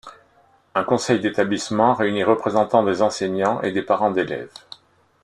Un Conseil d’Établissement réunit représentants des enseignants et des parents d’élèves.